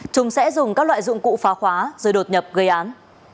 chúng sẽ dùng các loại dụng cụ phá khóa rồi đột nhập gây án